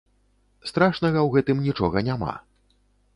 Страшнага ў гэтым нічога няма.